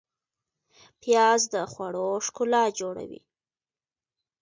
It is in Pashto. پیاز د خوړو ښکلا جوړوي